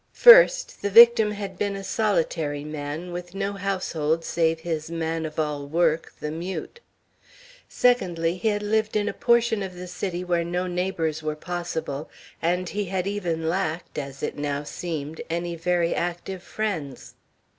First, the victim had been a solitary man, with no household save his man of all work, the mute. Secondly, he had lived in a portion of the city where no neighbors were possible; and he had even lacked, as it now seemed, any very active friends.